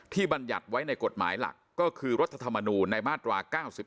บรรยัติไว้ในกฎหมายหลักก็คือรัฐธรรมนูลในมาตรา๙๒